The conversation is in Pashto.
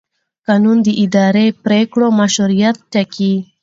قانون د اداري پرېکړو مشروعیت ټاکي.